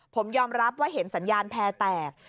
ผมยอมรับว่าเห็นสัญญาณแพร่แตก